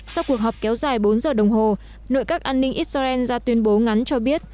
sau cuộc họp kéo dài bốn giờ đồng hồ nội các an ninh israel ra tuyên bố ngắn cho biết